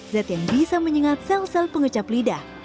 zat yang bisa menyengat sel sel pengecap lidah